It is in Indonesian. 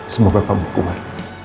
semoga kamu kuat